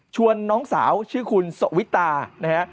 น้องสาวชื่อคุณสวิตานะฮะ